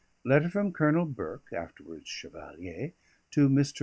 Letter from Colonel BURKE (afterwards Chevalier) to MR.